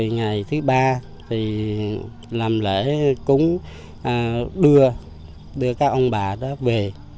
ngày thứ ba thì làm lễ cũng đưa các ông bà đó về